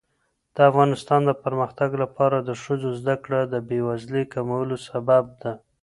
د افغانستان د پرمختګ لپاره د ښځو زدهکړه د بیوزلۍ کمولو سبب ده.